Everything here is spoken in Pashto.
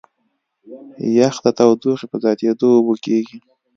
یخ د تودوخې په زیاتېدو اوبه کېږي.